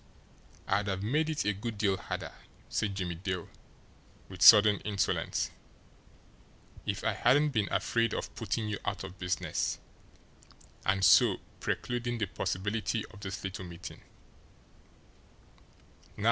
"I'd have made it a good deal harder," said Jimmie Dale, with sudden insolence, "if I hadn't been afraid of putting you out of business and so precluding the possibility of this little meeting.